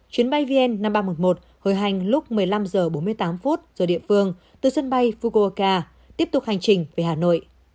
chuyến bay vn năm nghìn ba trăm một mươi một hồi hành lúc một mươi năm h bốn mươi tám giờ địa phương từ sân bay fukoka tiếp tục hành trình về hà nội